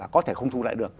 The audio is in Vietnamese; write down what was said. có thể không thu lại được